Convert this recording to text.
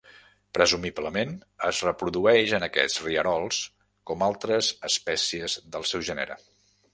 Presumiblement es reprodueix en aquests rierols, com altres espècies del seu gènere.